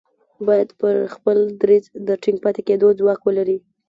بايد پر خپل دريځ د ټينګ پاتې کېدو ځواک ولري.